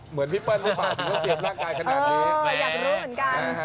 เหมือนพี่เปิ้ลได้ป่าถึงต้องเตรียมร่างกายขนาดนี้